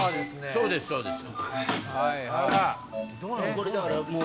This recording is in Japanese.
そうですそうです。